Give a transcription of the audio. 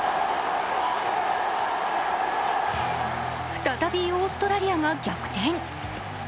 再びオーストラリアが逆転。